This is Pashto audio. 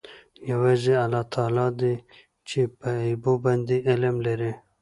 یوازې الله تعلی دی چې په غیبو باندې علم لري.